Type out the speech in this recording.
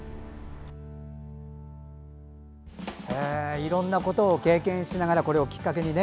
いろんなことを経験しながらこれをきっかけにね。